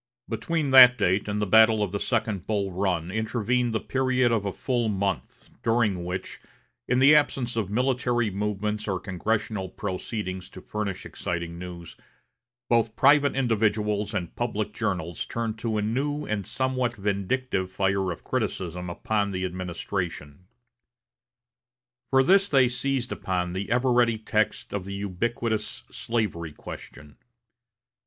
Between that date and the battle of the second Bull Run intervened the period of a full month, during which, in the absence of military movements or congressional proceedings to furnish exciting news, both private individuals and public journals turned a new and somewhat vindictive fire of criticism upon the administration. For this they seized upon the ever ready text of the ubiquitous slavery question.